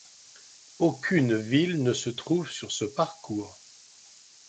Aucune ville ne se trouve sur ce parcours.